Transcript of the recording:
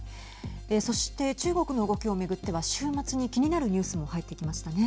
そして中国の動きをめぐっては週末に気になるニュースも入ってきましたね。